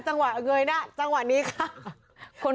จังหวะเงยหน้าจังหวะนี้ค่ะ